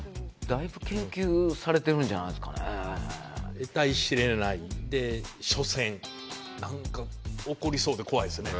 えたい知れないで初戦何か起こりそうで怖いですよね。